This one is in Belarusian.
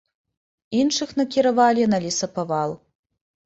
Іншых накіравалі на лесапавал.